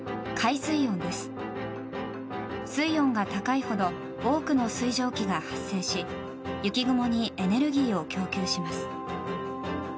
水温が高いほど多くの水蒸気が発生し雪雲にエネルギーを供給します。